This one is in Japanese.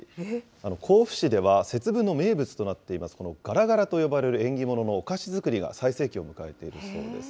甲府市では、節分の名物となっています、このがらがらと呼ばれる縁起物のお菓子作りが最盛期を迎えているそうです。